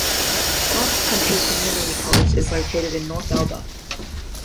North Country Community College is located in North Elba.